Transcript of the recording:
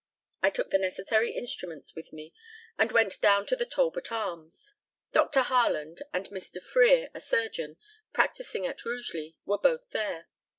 I took the necessary instruments with me, and went down to the Talbot Arms. Dr. Harland, and Mr. Frere, a surgeon, practising at Rugeley, were both there.